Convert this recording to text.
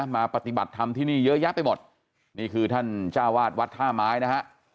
มาปฏิบัติธรรมที่นี่เยอะแยะไปหมดนี่คือท่านเจ้าวาดวัดท่าไม้นะฮะ